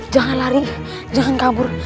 jangan lari jangan kabur